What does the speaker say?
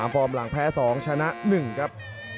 ฟอร์มหลังแพ้๒ชนะ๑ครับ